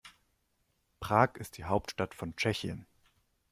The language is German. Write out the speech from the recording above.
Prag ist die Hauptstadt von Tschechien.